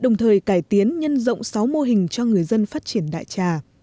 đồng thời cải tiến nhân dân dọng sáu mô hình cho người dân phát triển đại trà